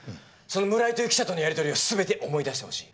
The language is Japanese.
その村井という記者とのやりとりを全て思い出してほしい。